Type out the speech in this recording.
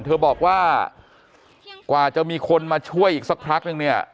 เธอบอกว่ากว่าจะมีคนมาช่วยอีกสักพักนึงเนี่ย